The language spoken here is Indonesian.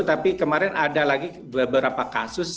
tapi kemarin ada lagi beberapa kasus